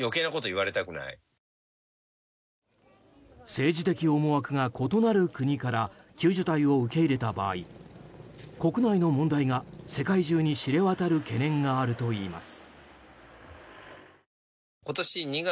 政治的思惑が異なる国から救助隊を受け入れた場合国内の問題が世界中に知れ渡る懸念があるといいます。